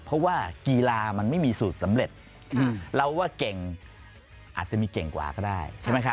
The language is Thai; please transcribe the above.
เพราะว่ากีฬามันไม่มีสูตรสำเร็จเราว่าเก่งอาจจะมีเก่งกว่าก็ได้ใช่ไหมครับ